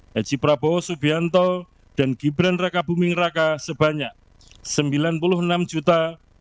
h c prabowo subianto dan gibran raka buming raka sebanyak sembilan puluh enam dua ratus empat belas enam ratus sembilan puluh satu suara